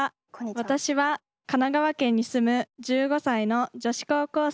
・私は神奈川県に住む１５歳の女子高校生です。